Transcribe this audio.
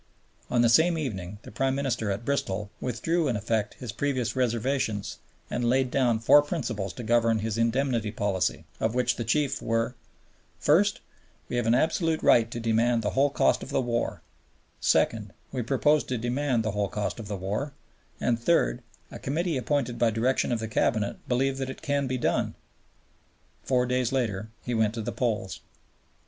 On the same evening the Prime Minister at Bristol withdrew in effect his previous reservations and laid down four principles to govern his Indemnity Policy, of which the chief were: First, we have an absolute right to demand the whole cost of the war; second, we propose to demand the whole cost of the war; and third, a Committee appointed by direction of the Cabinet believe that it can be done. Four days later he went to the polls.